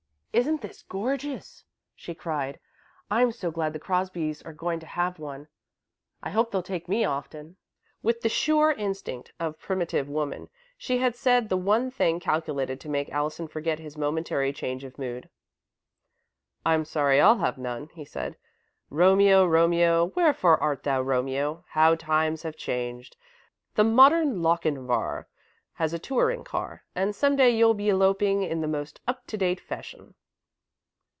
"Isn't this glorious!" she cried. "I'm so glad the Crosbys are going to have one. I hope they'll take me often." With the sure instinct of Primitive Woman, she had said the one thing calculated to make Allison forget his momentary change of mood. "I'm sorry I have none," he said. "'Romeo Romeo, wherefore art thou Romeo?' How times have changed! The modern Lochinvar has a touring car, and some day you'll be eloping in the most up to date fashion."